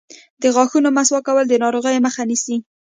د غاښونو مسواک کول د ناروغیو مخه نیسي.